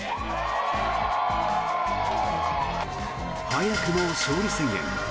早くも勝利宣言。